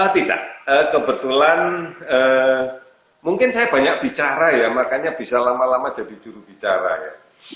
tidak kebetulan mungkin saya banyak bicara ya makanya bisa lama lama jadi jurubicara ya